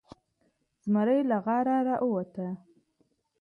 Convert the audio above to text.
زمری له غاره راووته.